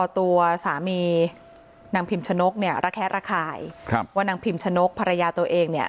ตัวสามีนางพิมชนกเนี่ยระแคะระคายว่านางพิมชนกภรรยาตัวเองเนี่ย